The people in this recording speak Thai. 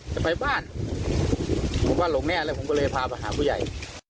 จะไปบ้านผมว่าหลงแน่แล้วผมก็เลยพาไปหาผู้ใหญ่